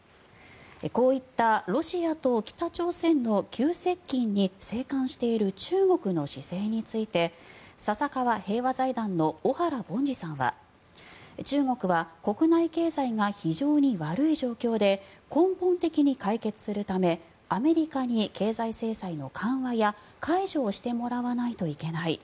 こういったロシアと北朝鮮の急接近に静観している中国の姿勢について笹川平和財団の小原凡司さんは中国は国内経済が非常に悪い状況で根本的に解決するためアメリカに経済制裁の緩和や解除をしてもらわないといけない。